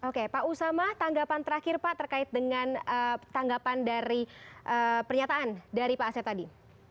oke pak usama tanggapan terakhir pak terkait dengan tanggapan dari pernyataan dari pak asep tadi